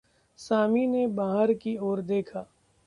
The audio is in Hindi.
सामी ने बाहर की ओर देखा।